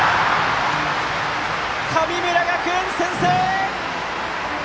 神村学園、先制！